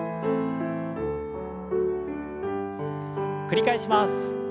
繰り返します。